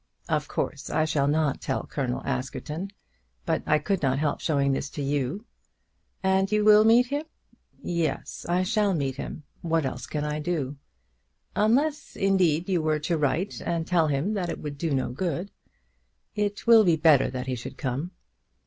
"Of course I shall not tell Colonel Askerton; but I could not help showing this to you." "And you will meet him?" "Yes; I shall meet him. What else can I do?" "Unless, indeed, you were to write and tell him that it would do no good." "It will be better that he should come."